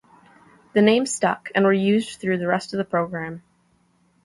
The names stuck, and were used through the rest of the program.